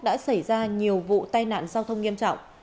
đã xảy ra nhiều vụ tai nạn giao thông nghiêm trọng